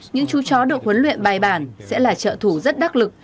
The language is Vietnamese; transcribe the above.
những chú chó được huấn luyện bài bản sẽ là trợ thủ rất đắc lực